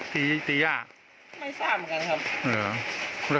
ส่วนมากก็